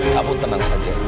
kamu tenang saja